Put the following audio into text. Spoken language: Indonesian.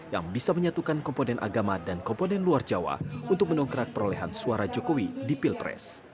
yang bisa menyatukan komponen agama dan komponen luar jawa untuk mendongkrak perolehan suara jokowi di pilpres